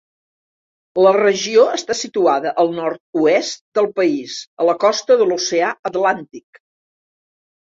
La regió està situada al nord-oest del país, a la costa de l'oceà Atlàntic.